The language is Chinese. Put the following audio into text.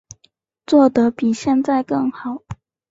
做得比现在更好